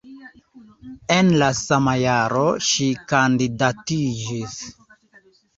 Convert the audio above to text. En la sama jaro ŝi kandidatiĝis.